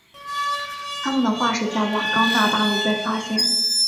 它们的化石在冈瓦纳大陆被发现。